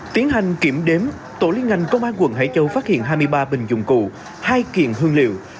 tiến hành kiểm đếm tổ liên ngành công an quận hải châu phát hiện hai mươi ba bình dụng cụ hai kiện hương liệu